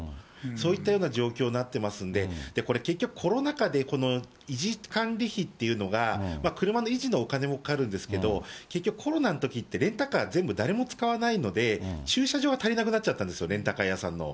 そういったような状況になってますんで、これ、結局、コロナ禍でこの維持管理費っていうのが、車の維持のお金もかかるんですけど、結局、コロナのときって、レンタカー全部誰も使わないので、駐車場が足りなくなっちゃったんですよ、レンタカー屋さんの。